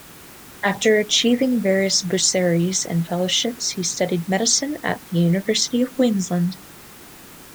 After achieving various bursaries and fellowships he studied medicine at the University of Queensland.